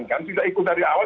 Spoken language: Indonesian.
tidak ikut dari awal